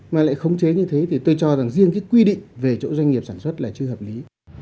mà lại khống chế như thế thì tôi cho rằng riêng cái quy định về chỗ doanh nghiệp sản xuất là chưa hợp lý